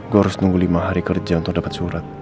gue harus nunggu lima hari kerja untuk dapat surat